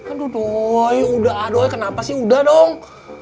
aduh doi udah ah doi kenapa sih udah dong